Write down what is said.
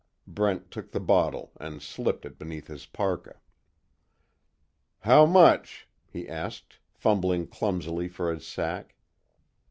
Brent took the bottle and slipped it beneath his parka: "How much?" he asked, fumbling clumsily for his sack.